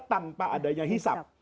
tanpa adanya hisap